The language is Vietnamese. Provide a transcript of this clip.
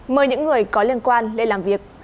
mời những người có liên quan lên làm việc